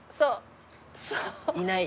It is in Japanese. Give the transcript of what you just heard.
いない。